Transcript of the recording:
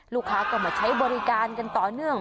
ลูกค้าก็มาใช้บริการกันต่อเนื่อง